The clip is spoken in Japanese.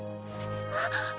あっ！